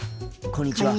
こんにちは。